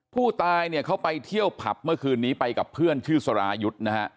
ผู้ตายเนี่ยเขาไปเที่ยวผับเมื่อคืนนี้ไปกับเพื่อนชื่อสรายุทธ์นะฮะ